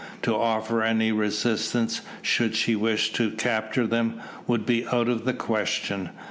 To offer any resistance, should she wish to capture them, would be out of the question.